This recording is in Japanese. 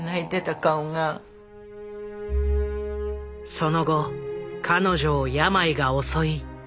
その後彼女を病が襲い胃を摘出。